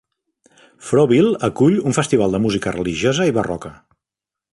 Froville acull un festival de música religiosa i barroca.